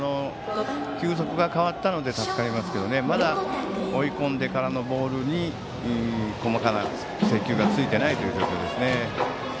球速が変わったので助かりましたけどまだ追い込んでからのボールに細かな制球がついていませんね。